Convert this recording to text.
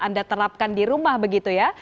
anda terapkan di rumah begitu ya